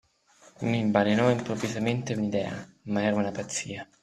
Mi balenò improvvisamente un'idea, ma era una pazzia.